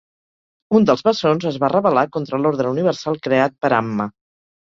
Un dels bessons es va rebel·lar contra l'ordre universal creat per Amma.